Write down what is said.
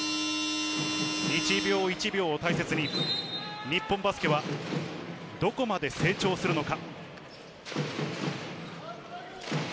１秒１秒を大切に、日本バスケはどこまで成長するのか？